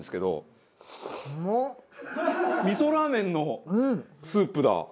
味噌ラーメンのスープだ！